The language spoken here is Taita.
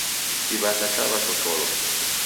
Kiw'acha chaw'achocholwa.